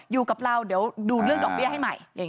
อยู่กับเราเดี๋ยวดูเรื่องดอกเบี้ยให้ใหม่